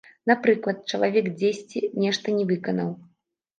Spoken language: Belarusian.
Напрыклад, чалавек дзесьці нешта не выканаў.